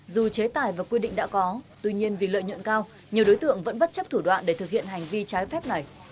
dù chế tài và quy định đã có tuy nhiên vì lợi nhuận cao nhiều đối tượng vẫn bất chấp thủ đoạn để thực hiện hành vi trái phép này